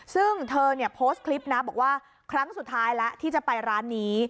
ซึ่งเธอเนี่ยโพสต์คลิปนะบอกว่าครั้งสุดท้ายแล้วที่จะไปร้านนี้